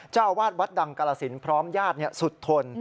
เจ้าอาวาสวัดดังกรสินพร้อมญาติสุดทน